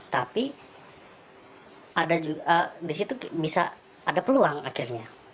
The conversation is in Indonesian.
tapi di situ bisa ada peluang akhirnya